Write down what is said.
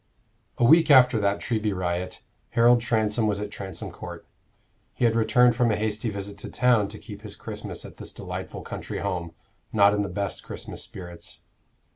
A week after that Treby riot, Harold Transome was at Transome Court. He had returned from a hasty visit to town to keep his Christmas at this delightful country home, not in the best Christmas spirits.